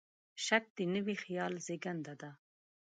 شک د نوي خیال زېږنده دی.